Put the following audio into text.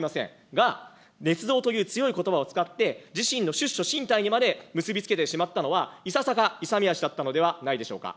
が、ねつ造という強いことばを使って、自身の出処進退にまで結び付けてしまったのは、いささか勇み足だったのではないでしょうか。